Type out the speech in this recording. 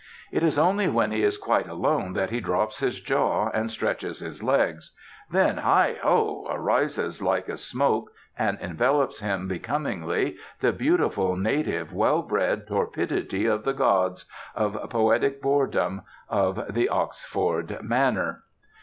It is only when he is quite alone that he drops his jaw, and stretches his legs; then heigho! arises like a smoke, and envelopes him becomingly, the beautiful native well bred torpidity of the gods, of poetic boredom, of "the Oxford manner."